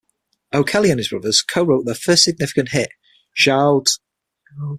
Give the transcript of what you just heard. O'Kelly and his brothers co-wrote their first significant hit, "Shout".